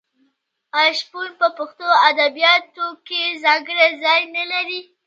آیا شپون په پښتو ادبیاتو کې ځانګړی ځای نلري؟